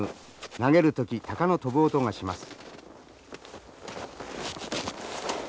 投げる時タカの飛ぶ音がします。